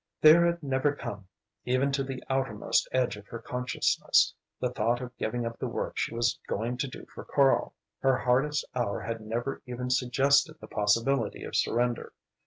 There had never come, even to the outermost edge of her consciousness, the thought of giving up the work she was going to do for Karl. Her hardest hour had never even suggested the possibility of surrender.